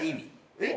えっ？